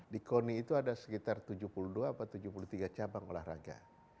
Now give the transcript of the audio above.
di koni itu ada sekitar tujuh puluh dua atau tujuh puluh tiga cabang olahraga